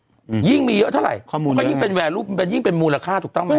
อืมยิ่งมีเยอะเท่าไหร่ข้อมูลก็ยิ่งเป็นแวร์รูปมันยิ่งเป็นมูลค่าถูกต้องไหม